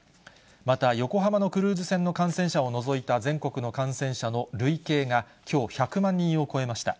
また、横浜のクルーズ船の感染者を除いた全国の感染者の累計がきょう、１００万人を超えました。